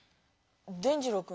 伝じろうくんは？